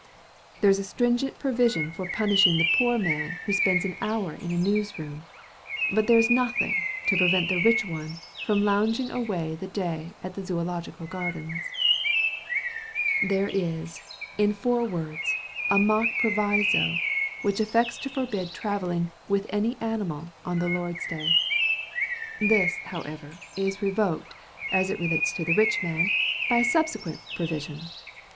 There is a stringent provision for punishing the poor man who spends an hour in a news room, but there is nothing to prevent the rich one from lounging away the day in the Zoological Gardens. There is, in four words, a mock proviso, which affects to forbid travelling 'with any animal' on the Lord's day. This, however, is revoked, as relates to the rich man, by a subsequent provision.